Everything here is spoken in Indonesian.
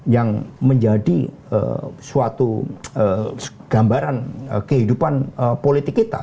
yang menjadi suatu gambaran kehidupan politik kita